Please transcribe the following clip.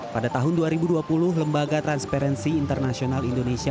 pada tahun dua ribu dua puluh lembaga transparency internasional indonesia